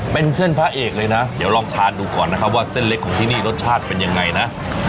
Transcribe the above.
เป็นเส้นพระเอกเลยนะเดี๋ยวลองทานดูก่อนนะครับว่าเส้นเล็กของที่นี่รสชาติเป็นยังไงนะ